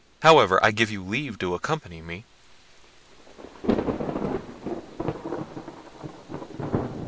However, I give you leave to accompany me."